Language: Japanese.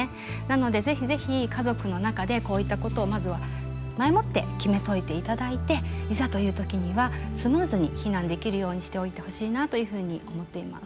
なので是非是非家族の中でこういったことをまずは前もって決めといていただいていざという時にはスムーズに避難できるようにしておいてほしいなというふうに思っています。